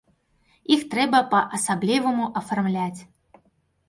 Іх трэба па-асабліваму афармляць.